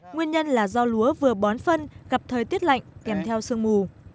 nguyên nhân là do lúa vừa bón phân gặp thời tiết lạnh kèm theo sương mù